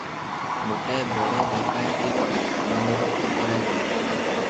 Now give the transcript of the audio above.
ଗୋଟାଏ ବଡ଼ ଡକାଏତିର ବନ୍ଦୋବସ୍ତ କରାଯିବ ।